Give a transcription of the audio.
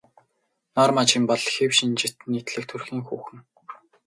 Норма Жин бол хэв шинжит нийтлэг төрхийн хүүхэн.